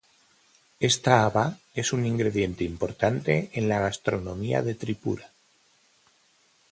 Esta haba es un ingrediente importante en la gastronomía de Tripura.